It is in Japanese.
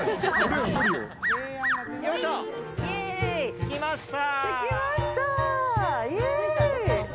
つきました。